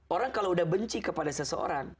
orang kalau udah benci kepada seseorang